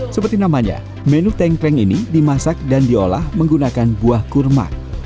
seperti namanya menu tengkreng ini dimasak dan diolah menggunakan buah kurma